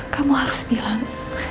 kamu harus bilang